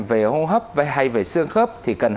về hô hấp hay về sương khớp